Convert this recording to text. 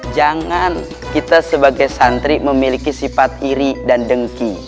jangan kita sebagai santri memiliki sifat iri dan dengki